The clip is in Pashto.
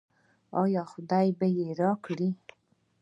آیا خدای به یې راکړي؟